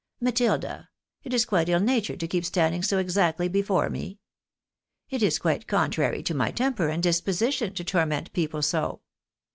Matilda ! it is quite ill natured to keep standing so exactly before me. It is quite contrary to my temper and disposition to torment people so.